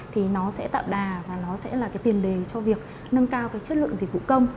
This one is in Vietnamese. thì nó sẽ tạo đà và nó sẽ là cái tiền đề cho việc nâng cao cái chất lượng dịch vụ công